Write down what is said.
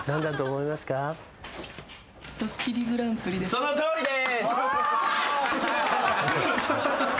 そのとおりです。